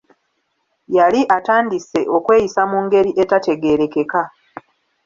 Yali atandise okweyisa mu ngeri etategeerekeka.